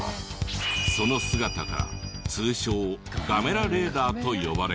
その姿から通称「ガメラレーダー」と呼ばれ。